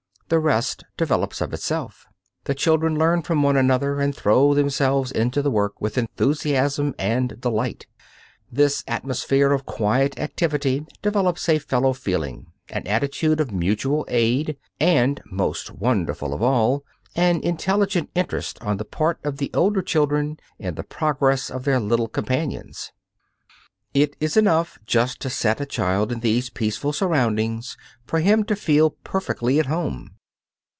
The rest develops of itself. The children learn from one another and throw themselves into the work with enthusiasm and delight. This atmosphere of quiet activity develops a fellow feeling, an attitude of mutual aid, and, most wonderful of all, an intelligent interest on the part of the older children in the progress of their little companions. It is enough just to set a child in these peaceful surroundings for him to feel perfectly at home.